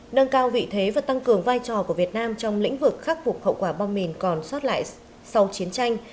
nâng cao vị thế và tăng cường vai trò của việt nam trong lĩnh vực khắc phục hậu quả bom mìn còn sót lại sau chiến tranh